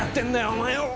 お前よぅ！